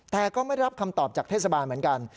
แต่ก็ไม่รับคำตอบจากเทศบาลเหมือนกัน